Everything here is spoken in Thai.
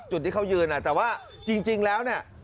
จุดที่เขายืนแต่ว่าจริงแล้วเนี่ย